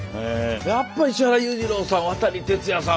やっぱり石原裕次郎さん渡哲也さん